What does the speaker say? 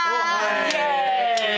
イェーイ！